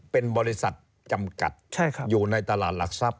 เป็นบริษัทจำกัดอยู่ในตลาดหลักทรัพย